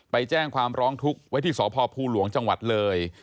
ไปแจ้งความร้องทุกข์ไว้ที่สพภูหลวงจังหวัดเลย